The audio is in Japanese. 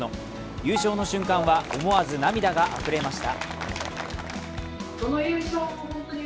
優勝の瞬間は思わず涙があふれました。